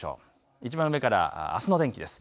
いちばん上から、あすの天気です。